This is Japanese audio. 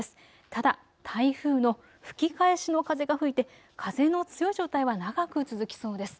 ただ、台風の吹き返しの風が吹いて風の強い状態は長く続きそうです。